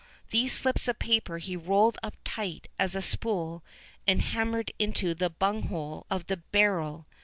These slips of paper he rolled up tight as a spool and hammered into the bunghole of the barrel.